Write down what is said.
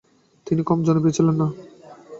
তিনি কম জনপ্রিয় ছিলেন না।